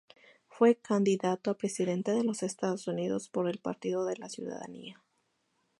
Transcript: Fue candidato a Presidente de los Estados Unidos por el Partido de la Ciudadanía.